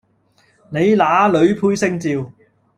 你那裡配姓趙